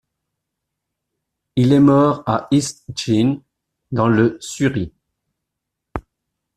Il est mort à East Sheen, dans le Surrey.